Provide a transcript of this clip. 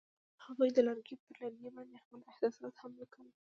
هغوی د لرګی پر لرګي باندې خپل احساسات هم لیکل.